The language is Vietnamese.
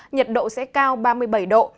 nhiệt độ sẽ cao ba mươi bảy độ